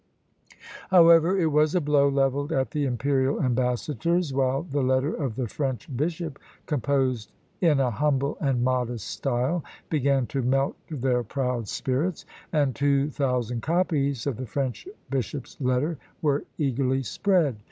However, it was a blow levelled at the imperial ambassadors; while the letter of the French bishop, composed "in a humble and modest style," began to melt their proud spirits, and two thousand copies of the French bishop's letter were eagerly spread.